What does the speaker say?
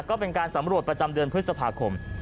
ก็เป็นการสำรวจประจำเดือนพฤษภาคม